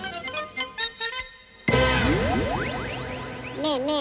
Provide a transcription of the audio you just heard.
ねえねえ